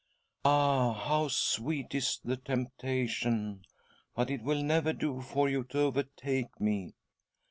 " Ah ! how sweet is the temptation ; but it will never do for you to overtake me."